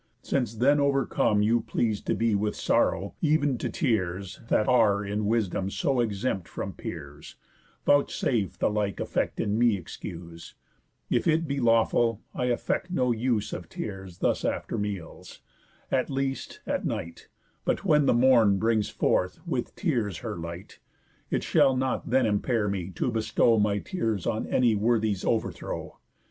Since then overcome You please to be with sorrow, ev'n to tears, That are in wisdom so exempt from peers, Vouchsafe the like effect in me excuse, If it be lawful, I affect no use Of tears thus after meals; at least, at night; But when the morn brings forth, with tears, her light, It shall not then impair me to bestow My tears on any worthy's overthrow.